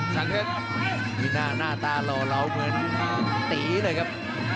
แซนเทศหน้าต้ารอเหลาเหมือนตีเลยครับ